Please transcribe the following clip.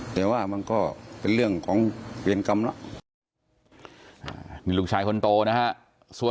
แต่ว่ามันก็เป็นเรื่องของเวรกรรมแล้ว